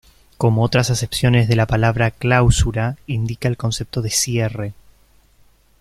Como otras acepciones de la palabra ""clausura"", indica el concepto de ""cierre"".